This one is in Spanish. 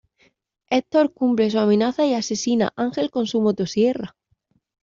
Hector cumple su amenaza y asesina Ángel con su motosierra.